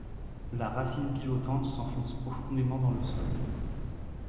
La racine pivotante s'enfonce profondément dans le sol.